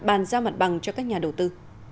bàn giao mặt bằng cho các nhà đầu tư